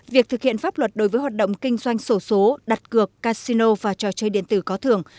việc thực hiện pháp luật đối với hoạt động kinh doanh sổ số đặt cược casino và trò chơi điện tử có thường